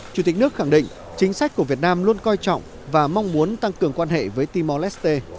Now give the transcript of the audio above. chủ tịch nước khẳng định chính sách của việt nam luôn coi trọng và mong muốn tăng cường quan hệ với timor leste